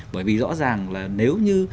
bởi vì rõ ràng là nếu như